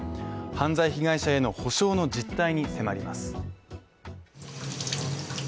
犯罪被害者への補償の実態に迫ります。